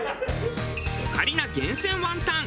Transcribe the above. オカリナ厳選ワンタン。